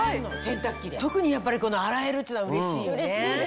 特にやっぱり洗えるっていうのはうれしいよね。